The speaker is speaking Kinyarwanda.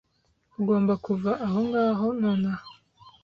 Ugomba kuva aho ngaho nonaha.